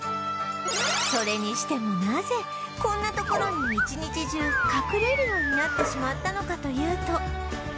それにしてもなぜこんな所に一日中隠れるようになってしまったのかというと